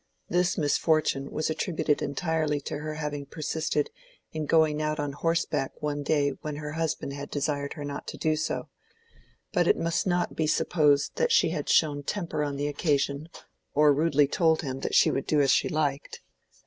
This misfortune was attributed entirely to her having persisted in going out on horseback one day when her husband had desired her not to do so; but it must not be supposed that she had shown temper on the occasion, or rudely told him that she would do as she liked.